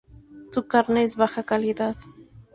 Su carne es de baja calidad.